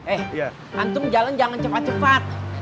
eh antung jalan jangan cepat cepat